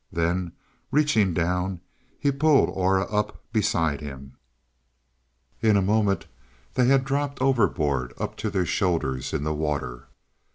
Then, reaching down he pulled Aura up beside him. In a moment they had dropped overboard up to their shoulders in the water.